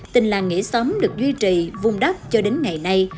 tình làng nghỉ sống được duy trì vung đắp cho đến ngày nay